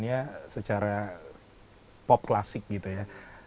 ya kita membawakannya secara pop klasik gitu ya